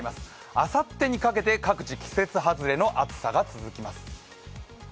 あさってにかけて各地、季節外れの暑さが続きます。